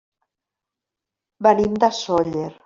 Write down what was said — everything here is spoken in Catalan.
Venim de Sóller.